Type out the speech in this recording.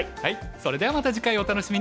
それではまた次回をお楽しみに！